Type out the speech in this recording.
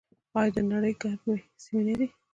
آیا دا د نړۍ ګرمې سیمې نه دي؟